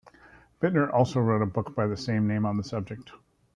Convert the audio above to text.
Bittner also wrote a book by the same name on the subject.